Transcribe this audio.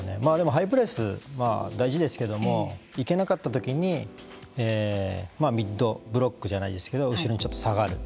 ハイプレスは大事ですけどもいけなかったときにミッドブロックじゃないですけれども後ろにちょっと下がる。